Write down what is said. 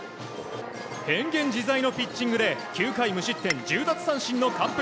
変幻自在のピッチングで９回無失点、１０奪三振の完封。